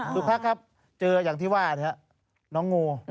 ทุกพักครับเจออย่างที่ว่านะครับน้องงู